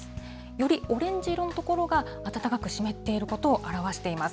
よりオレンジの色の所が、暖かく湿っていることを表しています。